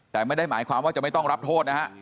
แต่ไม่ได้หมายความว่าจะไม่ต้องรับโทษนะฮะ